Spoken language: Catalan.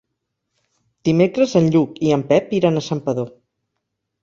Dimecres en Lluc i en Pep iran a Santpedor.